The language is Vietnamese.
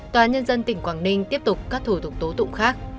tòa nhân dân tỉnh quảng ninh tiếp tục các thủ tục tố tụng khác